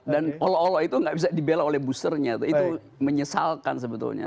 dan olo olo itu gak bisa dibela oleh boosternya itu menyesalkan sebetulnya